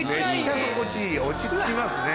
居心地いい落ち着きますね。